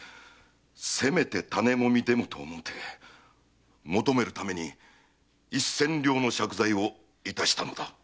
せめて種籾でもと思うて求めるために一千両の借財を致したのだ。